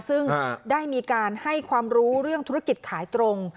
ซึ่งได้มีการให้ความรู้เรื่องธุรกิจขายตรง